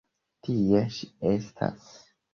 Tie ŝi estas.